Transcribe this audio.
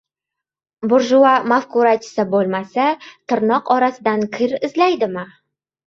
— Burjua mafkurachisi bo‘lmasa, tirnoq orasidan kir izlaydimi?